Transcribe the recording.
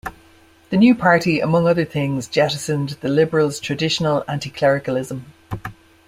The new party, among other things, jettisoned the Liberals' traditional anti-clericalism.